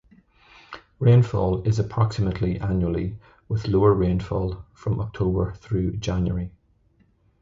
Rainfall is approximately annually, with lower rainfall from October through January.